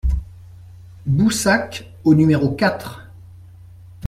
Boussac au numéro quatre